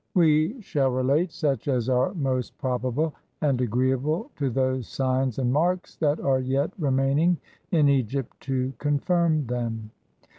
We shall relate such as are most probable and agree able to those signs and marks that are yet" remaining in Egypt to confirm them.